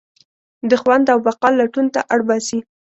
د خوند او بقا لټون ته اړباسي.